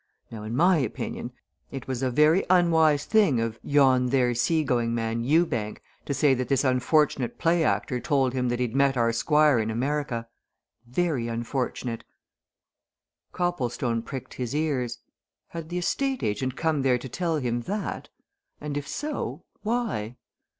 Now, in my opinion, it was a very unwise thing of yon there sea going man, Ewbank, to say that this unfortunate play actor told him that he'd met our Squire in America very unfortunate!" Copplestone pricked his ears. Had the estate agent come there to tell him that? And if so, why?